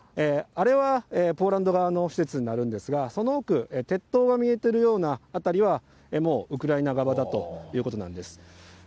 あれはポーランド側の施設になるんですが、その奥、鉄塔が見えているような辺りはもうウクライナ側だということなんです。